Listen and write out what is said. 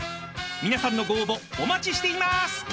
［皆さんのご応募お待ちしています！］